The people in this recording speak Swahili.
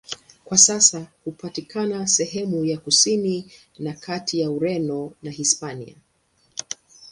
Kwa sasa hupatikana sehemu ya kusini na kati ya Ureno na Hispania.